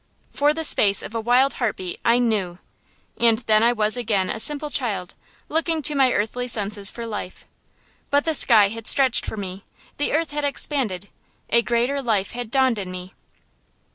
For the space of a wild heartbeat I knew, and then I was again a simple child, looking to my earthly senses for life. But the sky had stretched for me, the earth had expanded; a greater life had dawned in me.